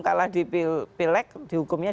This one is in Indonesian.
kalau di pillek dihukumnya